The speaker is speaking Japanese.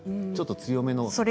ちょっと強めの。